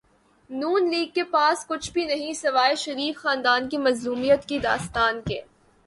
ن لیگ کے پاس کچھ بھی نہیں سوائے شریف خاندان کی مظلومیت کی داستان کے۔